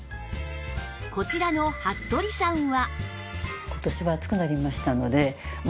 こちらの服部さんは